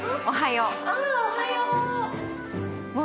おはよう。